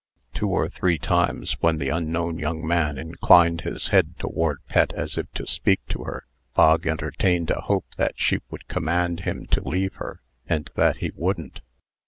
Two or three times, when the unknown young man inclined his head toward Pet, as if to speak to her, Bog entertained a hope that she would command him to leave her, and that he wouldn't.